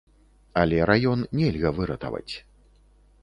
Але раён нельга выратаваць.